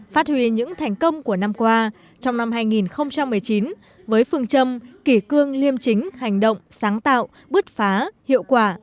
phát huy những thành công của năm qua trong năm hai nghìn một mươi chín với phương châm kỷ cương liêm chính hành động sáng tạo bước phá hiệu quả